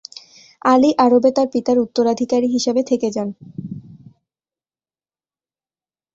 আলী আরবে তার পিতার উত্তরাধিকারী হিসেবে থেকে যান।